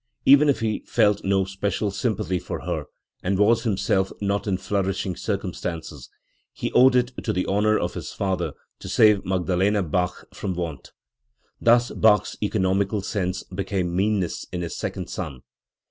Even if he felt no special sympathy for her, and was himself not in flourishing cir cumstances, he owed it to the honour of his father to save Magdalena Bach from want. Thus Bach's economical sense became meanness in his second son.